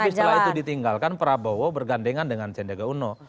tapi setelah itu ditinggalkan prabowo bergandengan dengan sendega uno